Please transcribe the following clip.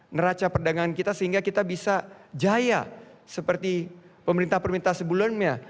neraca perdagangan kita sehingga kita bisa jaya seperti pemerintah pemerintah sebelumnya